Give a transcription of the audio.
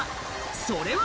それは